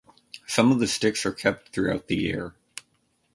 Some of the sticks are kept throughout the year.